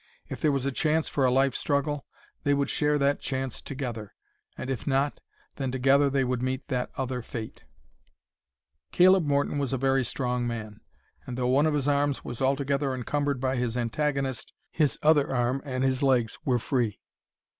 If there was a chance for a life struggle, they would share that chance together; and if not, then together would they meet that other fate. Caleb Morton was a very strong man, and though one of his arms was altogether encumbered by his antagonist, his other arm and his legs were free.